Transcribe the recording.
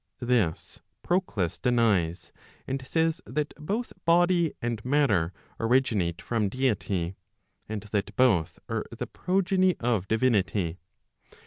This Proclus denies, and says that both body and matter originate from deity, and that both are the progeny of divinity.